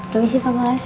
permisi pak bos